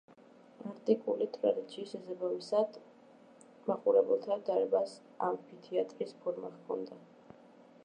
ანტიკური ტრადიციის შესაბამისად მაყურებელთა დარბაზს ამფითეატრის ფორმა ჰქონდა.